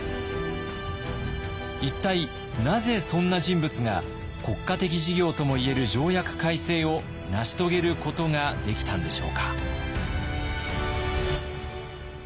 一体なぜそんな人物が国家的事業ともいえる条約改正を成し遂げることができたんでしょうか。